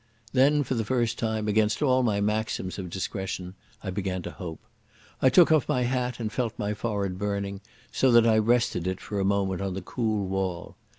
Then for the first time, against all my maxims of discretion, I began to hope. I took off my hat and felt my forehead burning, so that I rested it for a moment on the cool wall....